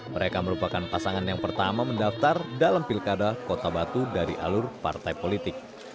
mereka merupakan pasangan yang pertama mendaftar dalam pilkada kota batu dari alur partai politik